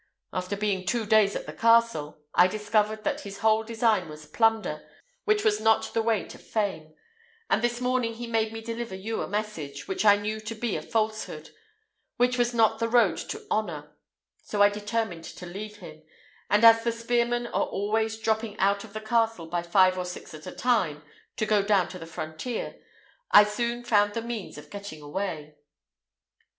After being two days in the castle, I discovered that his whole design was plunder, which was not the way to fame; and this morning he made me deliver you a message, which I knew to be a falsehood, which was not the road to honour: so I determined to leave him; and as the spearmen are always dropping out of the castle by five or six at a time, to go down to the frontier, I soon found the means of getting away."